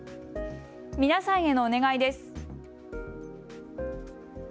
皆さんへのお願いです。